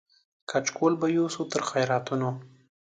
کچکول به یوسو تر خیراتونو